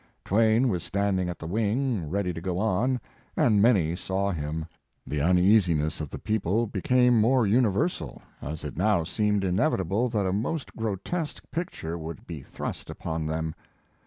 Twain was standing at the wing ready to go on, and many saw him. The uneasiness of the people became more universal, as it now seemed inevit able that a most grotesque picture would be thrust upon them.